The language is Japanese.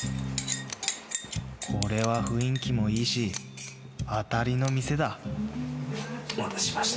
これは雰囲気もいいし当たりの店だお待たせしました。